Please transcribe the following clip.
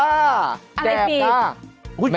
อะไรฟรีแจกจ้ะ